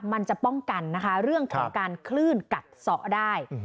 มันจะป้องกันนะคะเรื่องของการคลื่นกัดสอได้